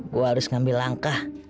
gue harus ngambil langkah